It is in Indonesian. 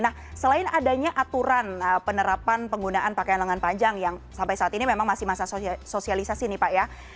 nah selain adanya aturan penerapan penggunaan pakaian lengan panjang yang sampai saat ini memang masih masa sosialisasi nih pak ya